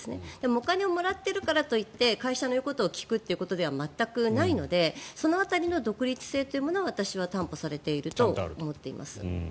お金をもらっているからといって会社の言うことを聞くということは全くないのでその辺りの独立性というものは私は担保されていると思っています。